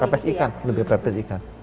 pepes ikan lebih pepes ikan